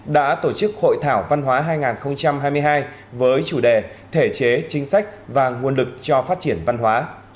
đã tổ chức hội thảo văn hóa hai nghìn hai mươi hai với chủ đề thể chế chính sách và nguồn lực cho phát triển văn hóa